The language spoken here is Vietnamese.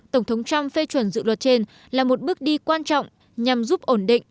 tổng thống trump phê chuẩn dự luật trên là một bước đi quan trọng nhằm giúp ổn định